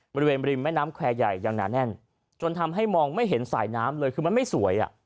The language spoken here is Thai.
บริเวณบริวิมแม่น้ำแขวนใหญ่ซึ่งทำให้สายหน้ามันไม่สวย